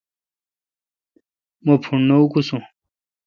مہ پھݨ نہ اکوسون۔